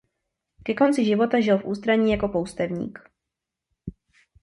Ke konci života žil v ústraní jako poustevník.